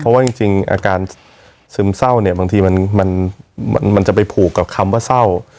เพราะว่าจริงอาการซึมเศร้าเนี่ยบางทีมันจะไปผูกกับคำว่าเศร้า